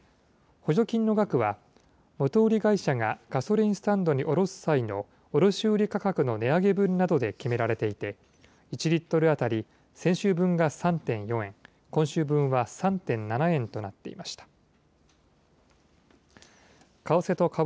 補助金の額は元売り会社がガソリンスタンドに卸す際の、卸売り価格の値上げ分などで決められていて、１リットル当たり、先週分が３．４円、今週分は３．７円となっていました。